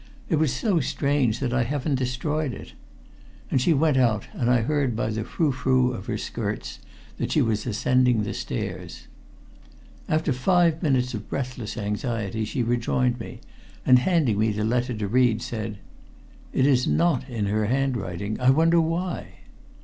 It was so strange that I haven't destroyed it." And she went out, and I heard by the frou frou of her skirts that she was ascending the stairs. After five minutes of breathless anxiety she rejoined me, and handing me the letter to read, said: "It is not in her handwriting I wonder why?"